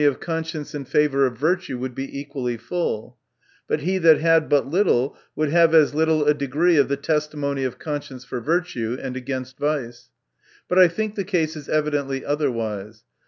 of conscience in favor of virtue would be equally full : but he that had but little, would have as little a degree of the testimony of conscience for virtue, and against vice. But I think the case is evidently otherwise.